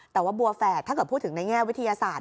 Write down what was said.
แต่ว่าบัวแฝดถ้าเกิดพูดถึงในแง่วิทยาศาสตร์